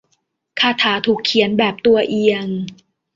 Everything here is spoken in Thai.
คาถาถูกเขียนแบบตัวเอียง